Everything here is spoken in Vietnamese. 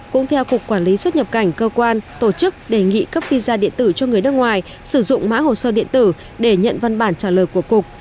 cũng theo cục quản lý xuất nhập cảnh cơ quan tổ chức đề nghị cấp visa điện tử cho người nước ngoài sử dụng mã hồ sơ điện tử để nhận văn bản trả lời của cục